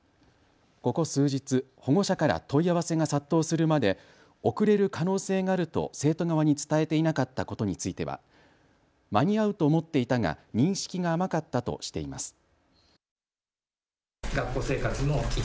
ここ数日、保護者から問い合わせが殺到するまで遅れる可能性があると生徒側に伝えていなかったことについては間に合うと思っていたが認識があまかったとしています。